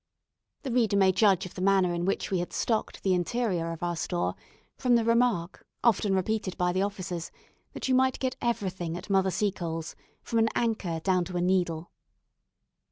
The reader may judge of the manner in which we had stocked the interior of our store from the remark, often repeated by the officers, that you might get everything at Mother Seacole's, from an anchor down to a needle.